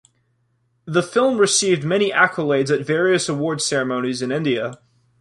The film received many accolades at various award ceremonies in India.